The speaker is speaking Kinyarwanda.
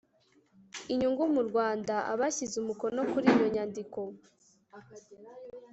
Inyungu mu rwanda abashyize umukono kuriyo nyandiko